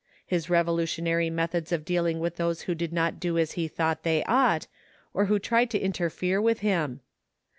His revolutionary methods of dealing with those who did not do as he thought they ought, or who tried to interfere with him.